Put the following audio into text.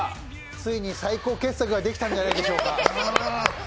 ついに最高傑作ができたんじゃないでしょうか。